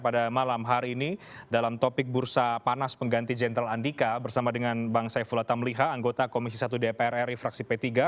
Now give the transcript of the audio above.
pada malam hari ini dalam topik bursa panas pengganti jenderal andika bersama dengan bang saifullah tamliha anggota komisi satu dpr ri fraksi p tiga